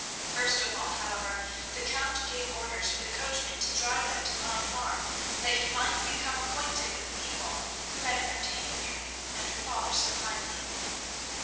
First of all, however, the Count gave orders for the coachman to drive them to Pine Farm, that he might become acquainted with the people who had entertained Mary and her father so kindly.